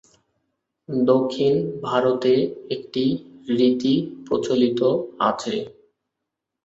দক্ষিণ ভারতে একটি রীতি প্রচলিত আছে।